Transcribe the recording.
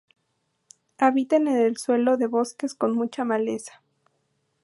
Habitan en el suelo de bosques con mucha maleza.